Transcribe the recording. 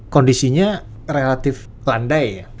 kondisinya relatif landai ya